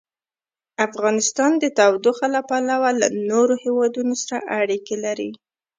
افغانستان د تودوخه له پلوه له نورو هېوادونو سره اړیکې لري.